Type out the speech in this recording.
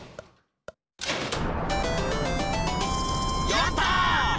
やった！